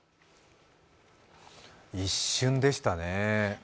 一瞬でしたね。